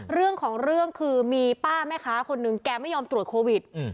เรื่องของเรื่องคือมีป้าแม่ค้าคนหนึ่งแกไม่ยอมตรวจโควิด